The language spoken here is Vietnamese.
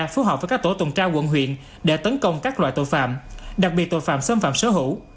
phù hợp với các tổ tùng tra quận huyện để tấn công các loại tội phạm đặc biệt tội phạm xâm phạm sở hữu